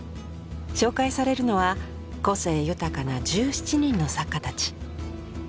紹介されるのは個性豊かな１７人の作家たち。